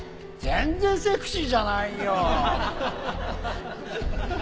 全然セクシーじゃないよ。